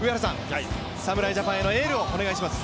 侍ジャパンへのエールをお願いします。